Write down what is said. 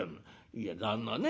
「いや旦那ね